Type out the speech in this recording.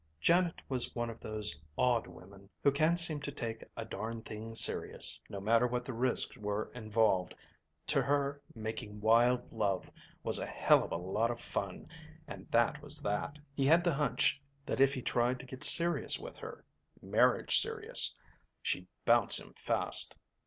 Janet was one of those odd women who can't seem to take a darned thing serious. No matter what the risks were involved, to her making wild love was a hell of a lot of fun and that was that. He had the hunch that if he tried to get serious with her marriage serious she'd bounce him fast.